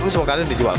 semua karya di jual